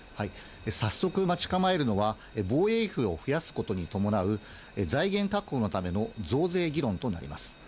早速待ち構えるのは、防衛費を増やすことに伴う、財源確保のための増税議論となります。